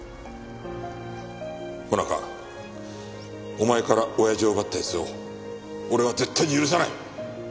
萌奈佳お前から親父を奪った奴を俺は絶対に許さない！